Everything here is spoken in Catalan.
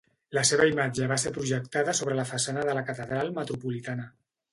La seva imatge va ser projectada sobre la façana de la Catedral Metropolitana.